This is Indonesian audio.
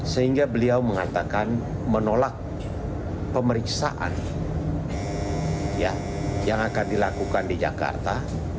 sehingga beliau mengatakan menolak pemeriksaan yang akan dilakukan di jakarta